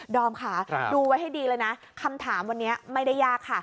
อมค่ะดูไว้ให้ดีเลยนะคำถามวันนี้ไม่ได้ยากค่ะ